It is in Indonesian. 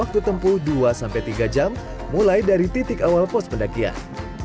waktu tempuh dua tiga jam mulai dari titik awal pos pendakian